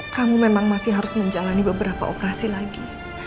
kamu memang masih harus menjalani beberapa operasi lagi